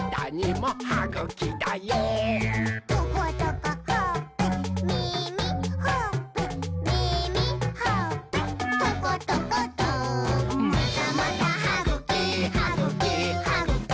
「トコトコほっぺ」「みみ」「ほっぺ」「みみ」「ほっぺ」「トコトコト」「またまたはぐき！はぐき！はぐき！